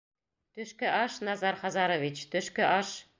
Төшкө аш, Назар Хазарович, төшкө аш!